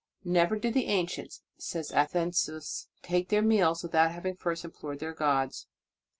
"Never did the ancients," says Athe nseus, "take their meals without having first implored their gods."